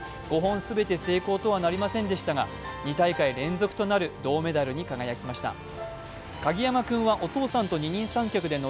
５本全て成功とはなりませんでしたが、２大会連続となる銅メダルに輝きました。